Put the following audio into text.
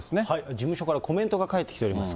事務所からコメントが返ってきております。